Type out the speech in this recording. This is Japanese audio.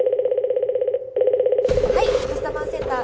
はいカスタマーセンター